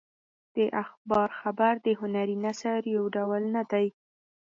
د اخبار خبر د هنري نثر یو ډول نه دی.